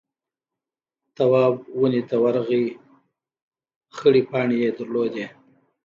تواب ونې ته ورغئ خړې پاڼې يې درلودې.